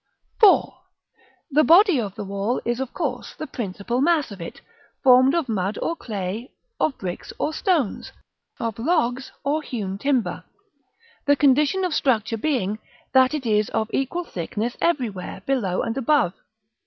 § IV. The body of the wall is of course the principal mass of it, formed of mud or clay, of bricks or stones, of logs or hewn timber; the condition of structure being, that it is of equal thickness everywhere, below and above.